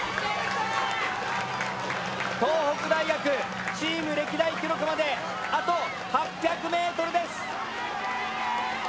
東北大学チーム歴代記録まであと８００ｍです。